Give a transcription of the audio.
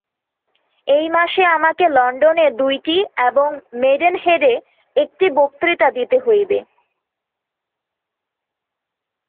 এই মাসে আমাকে লণ্ডনে দুইটি এবং মেডেন-হেডে একটি বক্তৃতা দিতে হইবে।